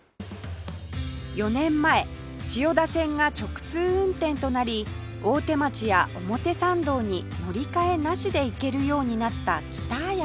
４年前千代田線が直通運転となり大手町や表参道に乗り換えなしで行けるようになった北綾瀬